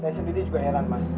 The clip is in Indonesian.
saya sendiri juga heran mas